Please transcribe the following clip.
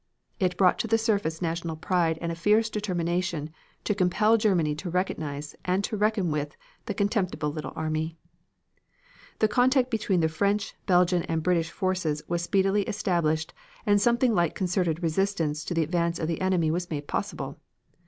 It brought to the surface national pride and a fierce determination to compel Germany to recognize and to reckon with the "contemptible little army." The contact between the French, Belgian and British forces was speedily established and something like concerted resistance to the advance of the enemy was made possible.